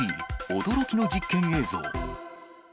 驚きの実験映像。